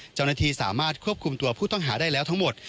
เจ้าหน้าที่สามารถควบคุมตัวผู้ต้องหาได้แล้วทั้งหมด